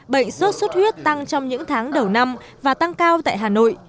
bệnh sốt xuất huyết tăng trong những tháng đầu năm và tăng cao tại hà nội